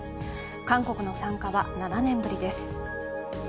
韓国の参加は７年ぶりです。